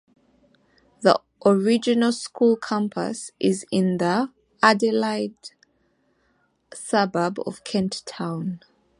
The original school campus is in the Adelaide suburb of Kent Town.